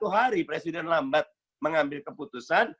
sepuluh hari presiden lambat mengambil keputusan